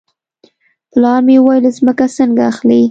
پلار مې وویل ځمکه څنګه اخلې.